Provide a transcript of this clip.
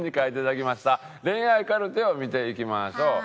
恋愛カルテを見ていきましょう。